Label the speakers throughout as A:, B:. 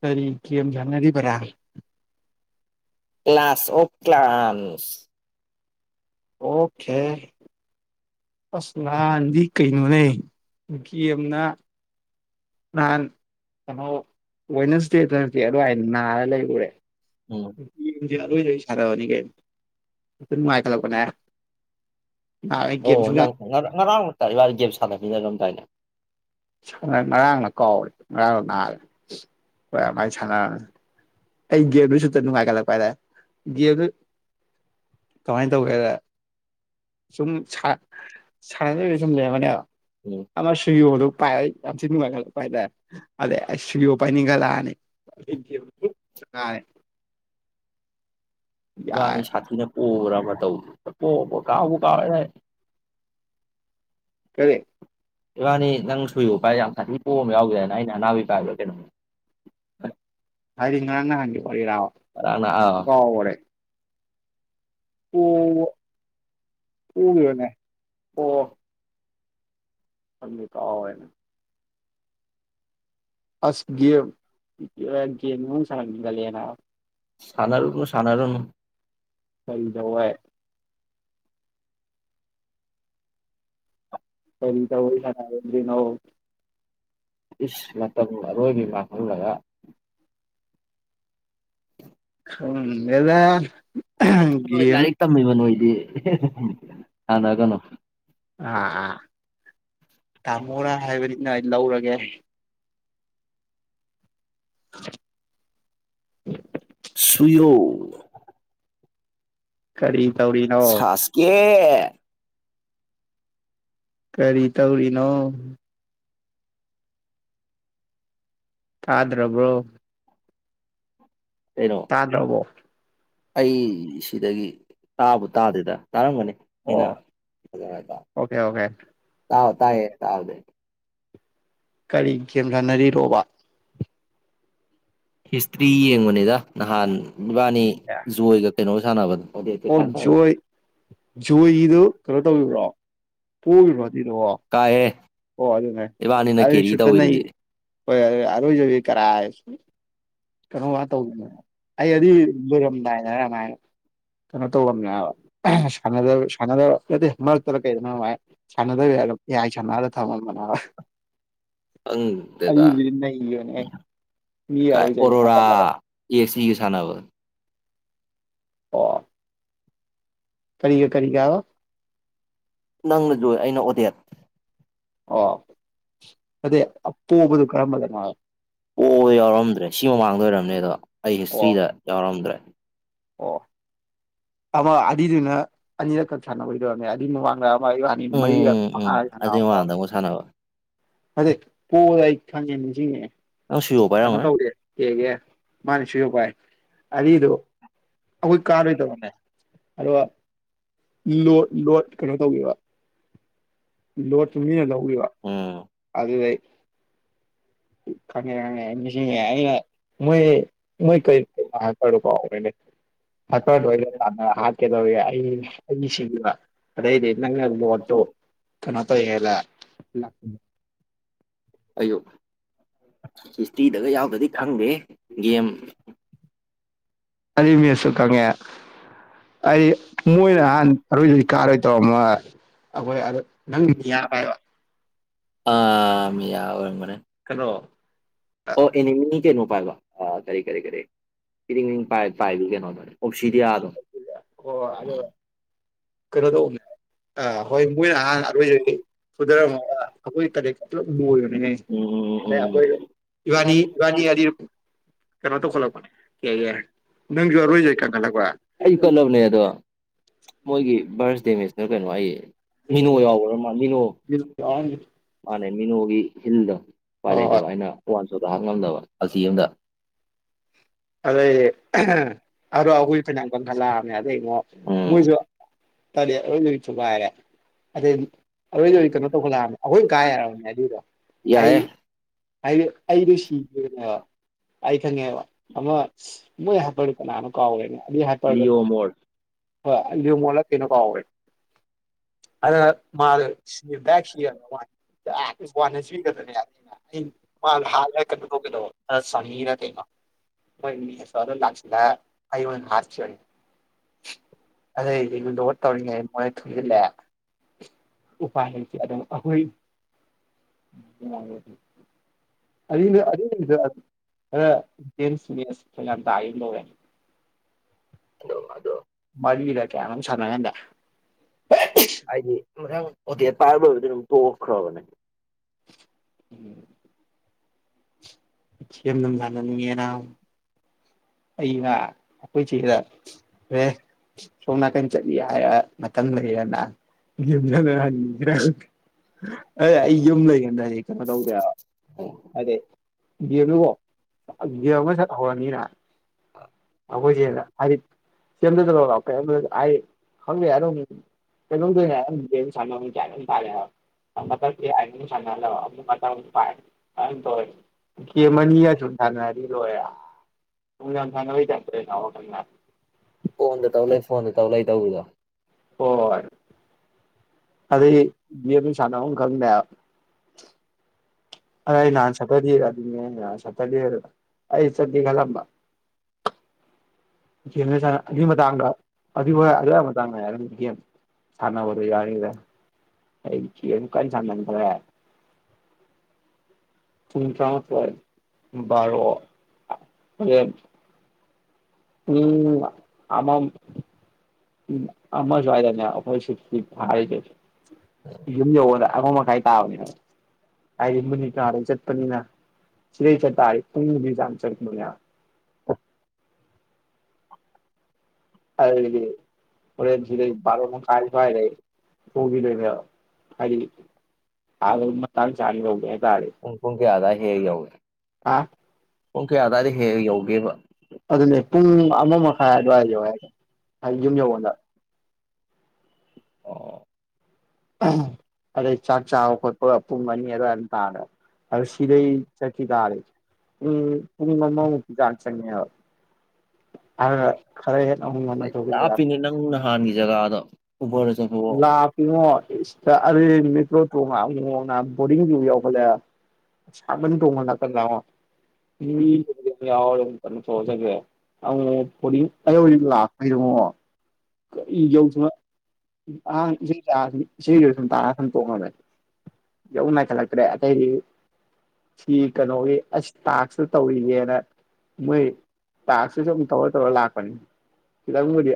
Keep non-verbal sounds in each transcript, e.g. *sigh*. A: ꯇꯔꯤ ꯀꯦꯝꯖꯅꯔꯤ ꯐꯔ
B: ꯀ꯭ꯂ ꯀ꯭ꯂꯥꯁ ꯑꯣꯐ ꯀ꯭ꯂ꯭ꯂꯥꯟꯁ
A: ꯑꯣꯀꯦ ꯑꯁ ꯅꯍꯥꯟꯗꯤ ꯀꯩꯅꯣꯅꯦ ꯀꯤ ꯑꯃꯅ ꯅꯍꯥꯟ ꯀꯩꯅꯣꯋꯦꯁ ꯗꯦꯗ ꯅꯛꯇ ꯑꯗꯨ ꯑ ꯅꯥꯔ ꯂꯩ ꯎꯔꯦ
B: ꯎꯝ
A: *unintelligible* ꯑꯣꯏꯣꯏ ꯁꯥꯟꯔꯑꯅꯤ ꯀ ꯅꯨꯡꯉꯥꯏꯈꯠꯂꯛꯄꯅꯦ ꯅꯍꯥꯟꯒꯩ ꯒꯦꯝ
B: ꯑꯣ
A: ꯁꯨꯡꯁꯥꯟ
B: ꯑꯔꯥꯡꯝ ꯑꯣꯏꯇꯥꯔ ꯏ ꯋꯥ ꯒꯦꯝ ꯁꯥꯟꯅꯃꯤꯟꯅꯔꯝꯗꯥꯏꯅꯦ
A: ꯉꯔꯥꯡꯅ ꯀꯥꯎꯔꯦ ꯉꯔꯥꯡꯅ ꯅꯥꯔꯦ ꯍꯣꯏ ꯑꯗꯨꯃꯥꯏ ꯁꯥꯟꯅꯔꯅꯤ ꯑꯩ ꯒꯦꯝꯗꯨ ꯁꯨꯇ ꯅꯨꯡꯉꯥꯏꯈꯠꯂꯛꯄ ꯍꯥꯏꯔꯦ ꯒꯦꯝꯗꯨ ꯀꯃꯥꯏꯅ ꯇꯧꯒꯦꯗ ꯁꯨꯝ ꯁꯥꯟꯅꯗꯗ ꯁꯨꯝ ꯂꯩꯔꯃꯅꯦꯕ
B: ꯎꯝ
A: ꯑꯁꯨꯨꯏ ꯑꯗꯨ ꯄꯥꯏ ꯌꯥꯝ ꯁꯤ ꯅꯨꯅꯨꯡꯉꯥꯏꯒ ꯄꯥꯏꯂ ꯑꯗꯦ ꯁꯑꯣ ꯄꯥꯏꯅꯤꯡꯒꯂꯅꯤ *unintelligible*
B: ꯏꯕꯥꯅꯤ
A: ꯌꯥꯔꯦ
B: ꯁꯥꯊꯤꯅ ꯄꯣꯕ꯭ꯔ ꯑꯃ ꯇꯧ ꯄꯣꯕ꯭ꯔ ꯀꯥꯎꯕꯨ ꯀꯥꯎꯔꯦꯗ ꯑꯩ
A: ꯀꯔꯤ
B: ꯏꯕꯥꯅꯤ ꯅꯪ ꯁꯨꯌꯨꯚꯥꯏ ꯌꯥꯝ ꯁꯥꯊꯤ ꯄꯣꯕ ꯑꯃ ꯌꯥꯎꯒꯤꯗꯥꯏ ꯑꯩꯅ ꯑꯅꯥꯕ ꯄꯥꯏꯕ꯭ꯔꯥ ꯀꯩꯅꯣꯝ
A: ꯍꯥꯏꯗꯤ ꯉꯔꯥꯡ ꯅꯍꯟꯒꯤ ꯋꯥꯔꯤꯔ
B: ꯉꯔꯥꯡꯅ ꯑꯥ
A: ꯀꯥꯎꯒꯔꯦ ꯑꯣ ꯄꯣꯒꯤꯕꯅꯦ ꯈꯪꯗꯦ ꯀꯥꯎꯒ꯭ꯔꯦꯅꯦ ꯑꯁ ꯒꯦꯝ ꯒꯦꯝ ꯑꯗꯨꯝ ꯁꯥꯅꯒꯟꯂꯦꯅ
B: ꯁꯅꯔꯨꯅꯨ ꯁꯅꯔꯨꯅꯨ
A: ꯀꯔꯤꯇꯧꯕꯩ ꯀꯔꯤ ꯇꯧꯕꯩ ꯁꯥꯅꯔꯣꯏꯗ꯭ꯔꯤꯅꯣ *unintelligible*
B: ꯏꯁ ꯃꯇꯝ ꯑꯔꯣꯏꯕꯤ ꯃꯥꯡꯍꯜꯂꯒ
A: ꯈꯪꯗꯦꯗ
B: ꯅꯣꯏ
A: ꯒꯦꯝ
B: ꯂꯥꯏꯔꯤꯛ ꯇꯝꯃꯤꯕ ꯅꯣꯏꯗꯤ ꯁꯥꯅꯒꯅꯣ
A: ꯑꯥ ꯑꯥ ꯇꯥꯃꯣꯅ ꯍꯥꯏꯕꯅꯤꯅ ꯂꯧꯔꯒꯦ *unintelligible*
B: ꯁꯨꯏꯔꯣ
A: ꯀꯔꯤ ꯇꯧꯔꯤꯅꯣ
B: ꯁꯥꯁ ꯀꯦ *unintelligible*
A: ꯀꯔꯤ ꯇꯧꯔꯤꯅꯣ ꯊꯥꯗ꯭ꯔꯕ꯭ꯔꯣ
B: ꯀꯩꯅꯣ ꯑꯩ ꯁꯤꯗꯒꯤ ꯇꯥꯕꯨ ꯇꯥꯗꯦꯗ ꯇꯥꯔꯝꯒꯅꯤ ꯑꯩꯅ
A: ꯑꯣ
B: ꯐꯖ
A: ꯑꯣꯀꯦ ꯑꯣꯀꯦ
B: ꯇꯥꯕ ꯇꯥꯏꯌꯦ ꯇꯥꯕꯗꯤ
A: ꯀꯔꯤ ꯒꯦꯝ ꯁꯥꯟꯅꯔꯤꯔꯣꯕ
B: ꯍꯤꯁꯇ꯭ꯔꯤ ꯌꯦꯡꯕ ꯅꯤꯗ ꯅꯍꯥꯟ ꯏꯕꯥꯅꯤ ꯖꯣꯏꯒ ꯀꯩꯅꯣ ꯁꯥꯟꯅꯕꯗꯣ ꯑꯣꯗꯦꯠꯀ
A: ꯑꯣ
B: ꯁꯥꯟꯅꯕꯗꯣ
A: ꯖꯣꯏ ꯖꯣꯏꯒꯤꯗꯨ ꯀꯩꯅꯣ ꯇꯧꯕꯕ꯭ꯔꯣ ꯄꯣꯒꯤꯕ꯭ꯔꯣ ꯑꯗꯨꯏꯗ ꯑꯣ
B: ꯀꯥꯏꯍꯦ
A: ꯑꯣ ꯑꯗꯨꯅꯦ
B: ꯏꯕꯥꯅꯤꯅ
A: ꯑꯗꯨꯗꯤ
B: ꯀꯦꯔꯤ
A: ꯁꯨꯠꯇ ꯅꯩ
B: ꯇꯧꯋꯤꯗꯨꯗꯤ
A: ꯍꯣꯏ ꯑꯔꯣꯏꯖꯕꯤ ꯀꯥꯏꯁꯨ ꯀꯩꯅꯣ ꯋꯥ ꯇꯧꯒ ꯑꯩ ꯑꯗꯨꯗꯤꯔꯝꯗꯅ ꯀꯩꯅꯣ ꯇꯧꯧꯕꯕ ꯁꯥꯟꯗ ꯁꯥꯟꯗ ꯑꯗꯦ ꯃꯥꯔ ꯇꯔ ꯀꯩꯗ ꯃꯥ ꯆꯪꯅꯗꯦꯕꯝ ꯌꯥꯏ ꯆꯅ ꯊꯃꯜ ꯃꯅꯥ
B: ꯑꯪ ꯗꯦꯗꯥ
A: ꯅꯩꯕꯅꯦ ꯃꯤ
B: ꯀꯥꯏ
A: ꯑꯔꯣꯏꯖꯕꯤ
B: ꯑꯣꯔꯣꯔꯥ
A: ꯍꯥꯞꯆꯜꯂꯒ
B: ꯑꯦ ꯁꯤꯒ ꯁꯥꯟꯅꯕ
A: ꯑꯣ ꯀꯔꯤꯒ ꯀꯔꯤꯒ
B: ꯅꯪꯅꯁꯨꯨ ꯑꯩꯅ ꯑꯣꯇꯦꯠ
A: ꯑꯥ
B: ꯑꯣ ꯌꯥꯎꯔꯝꯗ꯭ꯔꯦ ꯁꯤ ꯃꯃꯥꯡ ꯑꯣꯏꯔꯝꯅꯦꯗꯣ ꯑꯩ
A: ꯑꯣ
B: ꯍꯤꯁꯇ꯭ꯔꯤꯗ ꯌꯥꯎꯔꯝꯗ꯭ꯔꯦ
A: ꯑꯣ ꯑꯃ ꯑꯅꯤꯗꯨꯅ ꯑꯅꯤꯔꯛ ꯈꯛ ꯁꯥꯟꯅꯕꯩ ꯑꯃ ꯋꯥꯅꯤ ꯃꯔꯤ
B: ꯎꯝ
A: ꯃꯍ
B: ꯎꯝ ꯑꯗꯨꯏ
A: ꯑ
B: ꯃꯃꯥꯡꯗ ꯑꯃꯨꯛ ꯁꯥꯟꯅꯕ
A: ꯑꯗ ꯄꯣ ꯏ ꯈꯪꯅꯤꯁꯤꯦ
B: ꯅꯪ ꯁꯨꯌꯣ
A: ꯀꯩꯅꯣ
B: ꯄꯥꯏꯔꯝꯒꯅꯤ
A: ꯇꯧꯒꯦ ꯑꯦꯒꯦ ꯃꯥꯅꯤ ꯁꯨꯁꯨꯄꯥꯏ ꯑꯔꯤꯗꯨ ꯑꯩꯈꯣꯏ ꯀꯥꯗꯣꯏ ꯇꯔꯅꯦ ꯑꯗꯣ ꯂꯣꯠ ꯂꯣꯠ ꯀꯩꯅꯣ ꯇꯧꯒꯦꯕ ꯂꯣꯠꯁꯨ ꯃꯤꯅ ꯂꯧꯔꯤꯕ
B: ꯎꯝ
A: ꯑꯗꯨꯗꯩ ꯎꯝ ꯈꯪꯉꯦ ꯈꯪꯉꯦ ꯑꯩ ꯅꯤꯡꯁꯤꯡꯉꯦ ꯑꯩꯅ ꯃꯣꯏ ꯃꯣꯏ ꯀꯔꯤ ꯀꯩꯅꯣ ꯍꯥꯏꯄꯔꯗꯣꯀꯣ ꯍꯦꯜꯄꯔꯗꯣ ꯑꯩꯅ ꯇꯥꯟꯅꯔ ꯍꯥꯠꯀꯦꯗꯧꯒ ꯑꯩ ꯑꯩꯒꯤ ꯁꯤꯈꯤꯕ ꯑꯗꯩꯗꯤ ꯅꯪꯅ ꯂꯣꯠꯇꯣ ꯀꯩꯅꯣ ꯂ
B: ꯑꯌꯨꯛ ꯍꯤꯁꯇ꯭ꯔꯤꯗꯒ ꯌꯥꯎꯗꯗꯤ ꯈꯪꯗꯦ ꯒꯦꯝ
A: ꯑꯗꯨ ꯃꯁꯨꯀꯉ ꯑꯗꯤ ꯃꯣꯏꯅ ꯅꯍꯥꯟ ꯑꯔꯣꯏꯗ ꯀꯥꯔꯣꯏ ꯇꯧꯔꯝꯃ ꯑꯩꯈꯣꯏ ꯑ ꯅꯪ ꯌꯥꯥꯏ
B: ꯑ ꯌꯥ ꯑꯣꯏ ꯃꯅꯦ
A: ꯀꯩꯅꯣ
B: ꯑꯣ ꯏꯅꯦꯃꯤ ꯀꯩꯅꯣ ꯥꯏꯕ ꯀꯔꯤ ꯀꯔꯤ ꯀꯔꯤ ꯏꯔꯤꯡ ꯏ ꯄꯥꯏꯕꯤ ꯀꯩꯅꯣꯗ ꯑꯣꯞꯁꯤꯗꯤꯌꯥ ꯑꯗꯨꯝ
A: ꯑꯣ ꯑꯗꯨꯗ ꯀꯩꯅꯣ ꯇꯧꯅꯦ ꯑꯥ ꯍꯣꯏ ꯃꯣꯏꯅ ꯑꯍꯥꯟꯅ ꯑꯩꯈꯣꯏꯁꯤ ꯁꯨꯔꯝꯃꯒ ꯑꯩꯈꯣꯏ ꯀꯛꯇ ꯄꯨꯂꯞ ꯂꯣꯏ ꯑ
B: ꯎꯝ ꯎꯝ ꯎꯝ
A: ꯑꯩꯈꯣꯏ
B: ꯎꯝ
A: ꯏꯕꯥꯅꯤ ꯏꯕꯥꯅꯤ ꯀꯅꯥꯣ ꯇꯣ ꯈꯣꯂꯛꯄꯅꯦ ꯀꯌꯥꯒ ꯅꯪꯁꯨ ꯑꯔꯣꯏꯖꯩ ꯀꯪꯈꯠꯂꯛꯄ
B: ꯑꯩꯁꯨ *inaudible* ꯃꯣꯏꯒꯤ ꯕꯥꯔꯁꯗꯦ ꯃꯤꯁꯅ ꯀꯩꯅꯣ ꯍꯥꯏꯌꯦ
A: ꯍꯣꯏ
B: ꯃꯤꯅꯣ ꯌꯥꯎꯕ꯭ꯔꯃ ꯃꯤꯅꯣ ꯃꯥꯅꯦꯃꯤꯅ ꯍꯣꯤ ꯏꯜꯗ ꯋꯥꯂꯦꯗꯣ
A: ꯍꯣꯏ
B: ꯑꯩꯅ ꯋꯥꯟ ꯊꯥꯛ ꯉꯝꯗꯕ ꯑꯁꯤ ꯑꯃꯝꯗ
A: ꯑꯗꯩ ꯑꯣ ꯑꯕꯨꯣꯏ ꯐꯅ ꯈꯂ
B: ꯎꯝ
A: ꯃꯣꯏꯁꯨ ꯇꯂꯤꯌꯥ ꯑꯣꯏꯜꯕꯤ ꯆꯨ ꯄꯔꯦ ꯑꯗꯩ ꯑꯩꯣꯏꯗ ꯀꯩꯅꯣ ꯇꯧꯈꯠꯂꯛꯑꯕꯅꯦ ꯑꯩꯈꯣꯏ ꯀꯥꯏ ꯌꯥꯔꯕꯅꯦ ꯑꯗꯨꯗꯣ ꯑꯩ
B: ꯌꯥꯏꯌꯦ
A: ꯑꯩꯗꯣ ꯁꯤꯈꯤꯕꯦꯅꯦꯕ ꯑꯩ ꯈꯪꯦ ꯑꯃꯃ ꯃ ꯌꯥ ꯄꯀꯅꯅ ꯀꯥꯎꯋꯦꯅꯦ ꯑꯗꯨ ꯍꯥꯏꯇꯥꯔꯒꯗꯤ
B: ꯂꯤꯌꯣ ꯃꯣꯔ
A: ꯍ ꯂꯌꯨꯃꯣꯂ ꯊꯅꯀꯣ ꯑꯋꯥ ꯑꯗ ꯃꯥꯗꯣ ꯁꯤꯦꯛ ꯁꯤꯒꯗꯅꯦ ꯑꯩꯅꯩꯅꯗ ꯍꯥꯂꯒ ꯀꯩꯅꯗꯧꯕ ꯁꯪꯉꯤꯅ ꯀꯩꯅꯣ ꯍ ꯃꯤ ꯂꯥꯛꯗꯣꯟ ꯍꯥ *inaudible* ꯑꯗꯨꯗꯩꯗꯤ ꯂꯣ ꯇꯧꯔꯤꯉꯩ ꯃꯣꯏꯅ ꯊꯨꯖꯤꯜꯂꯑꯦ ꯎꯄꯥꯏꯁ ꯑꯗꯨꯝ ꯑꯩꯈꯣꯏ ꯑꯁ ꯇ ꯇꯔ
B: ꯑꯗꯣ ꯑꯗꯣ
A: ꯀꯂ ꯀꯦ ꯁꯔꯃꯦ
B: ꯍꯥꯏ ꯑꯣ ꯄꯔꯕ ꯑꯣꯏ ꯄꯣꯈ꯭ꯔꯣꯕꯅꯦ
A: ꯎꯝ ꯦꯝ ꯅꯝꯖꯅꯤꯦꯔ ꯑꯩꯅ ꯑꯩꯈꯣꯏꯁꯤꯗ ꯑꯦꯦ ꯁꯣꯝ ꯅꯥꯀꯟ ꯆꯠꯂꯤ ꯍꯥꯏꯔ ꯃꯇꯝ ꯂꯩꯔꯅ ꯌꯨꯝꯗ꯭ꯔ ꯑꯦ ꯑꯩ ꯌꯨꯝ ꯂꯩ ꯗꯗꯤ ꯀꯩꯅꯣ ꯇꯧꯗꯦꯕ ꯑꯗꯩ ꯌꯦꯝꯗꯨꯀꯣ ꯒꯦꯝ ꯑꯃ ꯁꯛ ꯍꯧꯔꯅꯤꯅ ꯑꯩꯈꯣꯏꯁꯦꯅ ꯍꯥꯏꯗꯤ ꯁꯦꯝꯗꯗꯅꯣ ꯂꯥꯎ *unintelligible* ꯍꯥꯢꯗꯤ ꯈꯪꯗꯨꯝ ꯀꯩꯅꯣꯝ ꯇꯧꯔꯤꯉꯩꯗ ꯒꯦꯝ ꯁꯥꯟꯅꯕꯩ *unintelligible* ꯀꯦꯝꯑꯅꯤ *unintelligible* ꯁꯅꯔꯤ ꯂꯣꯔꯦ *unintelligible*
B: ꯐꯣꯟꯗ ꯇꯧ ꯂꯩ ꯐꯣꯟꯗ ꯇꯧ ꯂꯩ ꯇꯧꯕꯗꯣ
A: ꯍꯣꯢ ꯑꯗꯒꯤ ꯁꯅꯕꯝ ꯈꯪꯗꯦ ꯍꯥꯢꯕ ꯑꯥꯏ ꯅꯥꯟ ꯁꯇꯔꯗꯦꯗ ꯁꯠꯇꯔꯗꯦꯗ ꯑꯩ ꯆꯠꯀꯦ ꯈꯜꯂꯝꯕ ꯒꯦꯝꯗꯨ ꯁꯥꯅ ꯑꯗꯨꯢ ꯃꯇꯥꯡꯒ *unintelligible* ꯁꯥꯟꯅꯕꯗ ꯌꯥꯅꯤꯗ ꯑꯩ ꯒꯦꯝ ꯀꯟ ꯁꯥꯟꯅ ꯈꯔꯦ ꯄꯨꯡ ꯇꯔꯥꯃꯊꯣꯢ ꯚꯔꯣ ꯎꯝ ꯑꯃ ꯑꯃꯁꯨꯏꯗꯅꯦꯈꯣꯏ ꯁꯤꯗꯗꯤ ꯍꯥꯏꯔꯁ ꯌꯨꯝ ꯌꯧꯕꯗ ꯑꯃ ꯃꯈꯥꯏ ꯇꯥꯕꯅꯦ ꯍꯥꯏꯗꯤ ꯈꯣꯢꯗꯤ ꯀꯔꯗ ꯆꯠꯄꯅꯤꯅ ꯁꯤꯗꯩ ꯆꯠꯄ ꯍꯥꯢꯁꯤ ꯄꯨꯡꯃꯨꯒꯤ ꯆꯥꯡ ꯆꯠꯄꯅꯤ ꯍꯥꯢꯕ *unintelligible* ꯍꯣꯔꯦꯟ ꯁꯤꯗꯩ ꯚꯥꯔꯣ ꯃꯈꯥꯢ ꯁ꯭ꯋꯥꯢꯗꯩ ꯄꯣꯒꯤꯗꯣꯢꯅꯦꯕ ꯍꯥꯏꯗꯤ ꯑꯥꯗ ꯃꯇꯥꯡ ꯆꯥꯅ ꯌꯧꯒꯦ ꯍꯥꯏꯇꯥꯔꯗꯤ
B: ꯄꯨꯡ ꯄꯨꯡ ꯀꯌꯥꯗ ꯍꯦꯍꯦꯛ ꯌꯧꯢ
A: ꯑ
B: ꯄꯨꯡ ꯀꯌꯥꯗ ꯍꯦꯍꯦꯛ ꯌꯧꯢ ꯀꯦꯕ
A: ꯑꯗꯨꯅꯦ ꯄꯨꯡ ꯑꯃ ꯃꯈꯥꯏ ꯑꯗꯨꯋꯥꯏ ꯌꯧꯌꯦꯗꯣ ꯍꯥꯏꯗꯤ ꯌꯨꯝ ꯌꯧꯒꯥꯟꯗ
B: ꯑꯣ
A: ꯑꯗꯩ ꯆꯥꯛ ꯆꯥꯕ ꯈꯣꯠꯄ ꯄꯨꯡ ꯑꯅꯤ ꯑꯗꯨꯋꯥꯏ ꯇꯥꯔꯦ ꯑꯗꯨ ꯁꯤꯗꯩ ꯆꯠꯈꯤ ꯇꯥꯔꯗꯤ ꯄꯨꯡ ꯑꯃꯃꯨꯛꯀꯤ ꯆꯥꯡ ꯆꯪꯉꯦꯕ ꯑꯗꯨꯒ ꯈꯔ ꯍꯦꯟꯅꯥ ꯑꯃꯨꯛ ꯉꯜꯅ ꯇꯧꯕ ꯌꯥ
B: ꯖꯒꯥꯗꫭ
A: ꯂꯥꯄꯤꯉꯣ ꯢꯁ ꯃꯦꯀ꯭ꯔꯣ ꯇꯣꯡꯉ ꯑꯃꯨꯛ ꯃꯨꯛ ꯕꯣꯔꯤꯡꯆꯨ ꯌꯥꯎꯈꯠꯂꯦ ꯍꯥꯢꯕ ꯁꯥꯕꯟ ꯇꯣꯡꯕ ꯅꯥꯀꯟꯗ ꯑꯃꯣ ꯌꯥꯎ *unintelligible* ꯑꯩ ꯍꯧꯖꯤꯛ ꯂꯥꯛꯄꯩꯔꯉꯣ ꯌꯧꯅ ꯑꯍꯥꯡ ꯏꯁꯩ ꯏꯁꯩꯗꯨ ꯁꯨꯝ ꯇꯥꯔ ꯁꯨꯝ ꯇꯣꯡꯉꯕꯅꯤ ꯌꯧ ꯅꯥꯏꯈꯠꯂꯛꯇ꯭ꯔꯦ ꯑꯇꯩꯗꯤ ꯁꯤ ꯀꯩꯗꯧꯢ ꯑꯁ ꯇꯥꯛꯁꯇꯨ ꯇꯧꯔꯤꯒꯦꯅ ꯃꯣꯏ ꯇꯥꯛꯁꯁꯤꯁꯨ ꯑꯗꯨꯨꯝ ꯇꯧꯔ ꯇꯧꯔ ꯂꯥꯛꯄꯅꯤ ꯈꯤꯇꯪꯕꯨꯗꯤ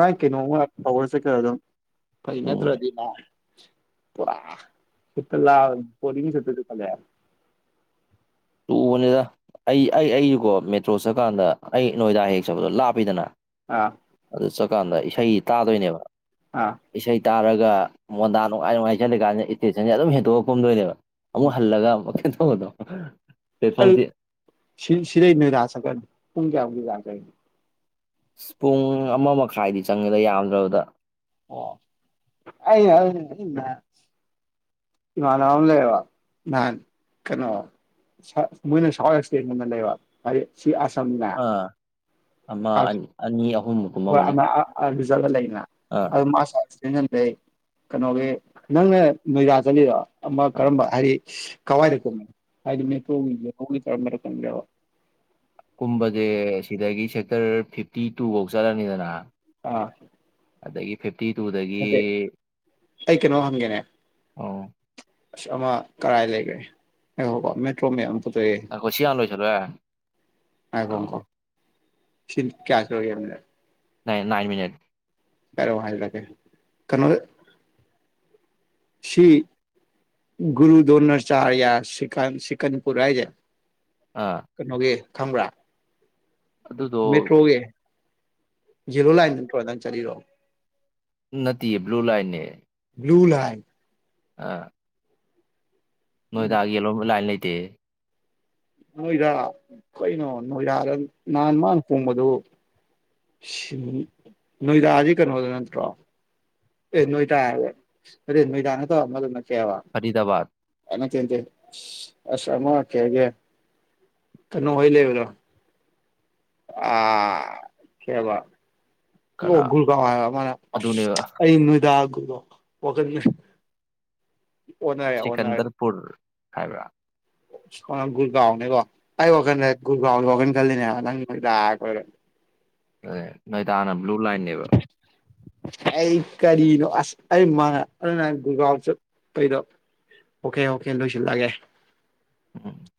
A: ꯅꯥꯏ ꯀꯩꯅꯣꯝ ꯇꯧꯔꯁꯦ ꯈꯔ ꯑꯗꯨꯝ ꯐꯩ
B: ꯎꯝ
A: ꯅꯠꯇ꯭ꯔꯗꯤ ꯅ *unintelligible*
B: ꯇꯨꯕꯅꯤꯗ ꯑꯩ ꯑꯩ ꯑꯩ ꯀꯣ ꯃꯦꯇ꯭ꯔꯣ ꯆꯠꯀꯥꯟꯗ ꯑꯩ ꯅꯣꯏꯗꯥ ꯍꯦꯛ ꯆꯠꯕꯗꯣ ꯂꯥꯞꯄꯤꯗꯅ
A: ꯑꯥ
B: ꯑꯗꯨ ꯆꯠꯀꯥꯟꯗ ꯏꯁꯩ ꯇꯥꯗꯣꯏꯅꯦꯕ
A: ꯑꯥ
B: ꯏꯁꯩ ꯇꯥꯔꯒ ꯃꯣꯟꯗꯥ ꯅꯨꯡꯉꯥꯏ ꯅꯨꯡꯉꯥꯏ ꯆꯞꯂꯒꯥꯟꯗꯗꯤ ꯏꯁꯇꯦꯁꯟꯁꯦ ꯑꯗꯨꯝ ꯍꯦꯟꯇꯣꯛꯑꯒ ꯀꯨꯝꯗꯣꯏꯅꯦꯕ ꯑꯃꯨꯛ ꯍꯜꯂꯒ *unintelligible* ꯄ꯭ꯂꯦꯠꯐꯣꯝꯁꯦ
A: *unintelligible* ꯄꯨꯡ ꯀꯥꯌꯥꯃꯨꯀꯀꯤ ꯆꯥꯡ ꯆꯪꯏ꯫
B: ꯄꯨꯡ ꯑꯃ ꯃꯈꯥꯏꯗꯤ ꯆꯪꯉꯦꯗ ꯌꯥꯝꯗ꯭ꯔꯕꯗ
A: ꯑꯣ ꯑꯩ ꯏ *unintelligible* ꯏꯃꯥꯅꯥꯕ ꯑꯃ ꯂꯩꯌꯦꯕ ꯅꯍꯥꯟ ꯀꯩꯅꯣ ꯁꯥ ꯃꯣꯏꯅ *unintelligible* ꯂꯩꯕ ꯍꯥꯏꯗꯤ ꯑꯁꯝꯂ
B: ꯑꯃꯥ ꯑꯅꯤ ꯑꯍꯨꯝꯃꯨꯛ ꯀꯨꯝ ꯃꯝꯃꯅꯦ
A: ꯆꯠꯂ ꯂꯩ ꯑꯗꯨ ꯃꯥꯁ *unintelligible* ꯑꯗꯩ ꯀꯩꯅꯣꯒꯤ ꯅꯪꯅꯥ ꯅꯣꯏꯗꯥ ꯆꯠꯂꯤꯗꯣ ꯑꯃ ꯀꯔꯝꯕ ꯍꯥꯏꯗꯤ ꯀꯋꯥꯏꯗ ꯀꯨꯝꯃꯦ *unintelligible* *unintelligible*
B: ꯀꯨꯝꯕꯖꯦ ꯁꯤꯗꯒꯤ ꯆꯠ ꯇꯔ ꯐꯤꯐꯇꯤ ꯇꯨ ꯐꯧ ꯆꯠꯂꯅꯤꯗꯅ
A: ꯑꯥ
B: ꯑꯗꯗꯒꯤ ꯐꯤꯐ
A: ꯅꯠꯇꯦ ꯑꯩ ꯀꯩꯅꯣꯝ ꯍꯪꯒꯦꯅꯦ
B: ꯑꯥꯎ
A: ꯑꯁ ꯑꯃ ꯀꯔꯥꯏ ꯂꯩꯒ꯭ꯔꯦ ꯉꯥꯏꯈꯣ ꯀꯣ ꯃꯦꯇ꯭ꯔꯣ ꯃꯦꯞ ꯑꯝ
B: ꯉꯥꯢꯈꯣ ꯁꯤ ꯍꯥꯟꯅ ꯂꯣꯏꯁꯟꯂꯣ ꯌꯥꯔꯦ꯫
A: ꯉꯥꯏꯈꯣ ꯈꯣ ꯁꯤ ꯀꯌꯥ ꯁꯨꯔꯒꯦ ꯃꯤꯅꯤꯠ
B: ꯅꯥꯏꯟ ꯃꯤꯅꯠ
A: *unintelligible* ꯀꯩꯅꯣꯗ ꯁꯤ ꯒꯨꯔꯨ ꯗꯣꯅꯆ ꯆꯍꯥꯌꯥ ꯁ ꯁꯀꯟꯄꯨꯔ ꯍꯥꯏꯖꯦ
B: ꯑꯥ
A: ꯀꯣꯒꯦ ꯈꯝ꯭ꯔꯥ
B: ꯑꯗꯨꯗꯣ
A: ꯖꯤꯔꯣ ꯂꯥꯏꯟꯗ ꯇ꯭ꯔꯣꯗꯅ ꯆꯠꯔꯛꯑꯣ
B: ꯅꯠꯇꯦꯌꯦ ꯕ꯭ꯂꯨ
A: ꯂꯨ ꯂꯏ
B: ꯑ ꯅꯣꯏꯗꯒꯦꯂꯣ ꯂꯥꯏꯟ ꯂꯩ ꯇꯦ
A: ꯅꯣꯏꯗ ꯀꯩꯅꯣ ꯅꯣꯏꯗꯥꯗ ꯅꯍꯥꯟ ꯃꯥꯅ ꯊꯣꯡꯕꯗꯨ ꯅꯣꯏꯗꯥꯁꯤ ꯀꯩꯅꯣꯗ ꯅꯠꯇ꯭ꯔꯣ ꯑꯦ ꯅꯣꯣꯏ ꯇ ꯑꯗꯨ ꯏ ꯇꯅꯠꯇ ꯀꯦꯋꯥ
B: ꯐꯔꯤꯗꯕꯥꯠ
A: ꯦ ꯑꯁꯃ ꯀꯦ ꯍꯒꯦ ꯀꯅꯣ ꯑꯣꯏꯣꯏ ꯂꯦꯕ ꯂ ꯑꯥ ꯀꯦꯕꯜ
B: ꯀꯅꯥ
A: ꯑꯣꯒꯨꯀ ꯑꯗꯥ
B: ꯑꯗꯨꯅꯦꯕ
A: ꯣ ꯄꯈ
B: ꯁꯀꯟꯗꯔꯄꯨꯔ ꯀꯥꯏꯕ
A: ꯒꯨꯔꯒꯥꯎꯅꯦꯒꯣ ꯑꯩ ꯋꯥ ꯀꯥꯟ ꯍꯒꯣꯟ ꯀꯜꯗꯅꯦ ꯅꯪꯗꯥ ꯑꯣꯏꯔ
B: ꯑꯦ ꯅꯣꯏꯇꯥꯅ ꯕ꯭ꯂꯨ ꯂꯥꯏꯟꯅꯦꯕ
A: ꯑꯩ ꯀꯔꯤꯅꯣ ꯑꯁ ꯑꯩ ꯃꯥ ꯑ ꯒꯥꯎꯁ ꯀꯩꯗꯣ ꯑꯣꯀꯦ ꯑꯣꯀꯦ ꯂꯣꯏꯁꯤꯜꯂꯑꯒꯦ
B: ꯎꯝ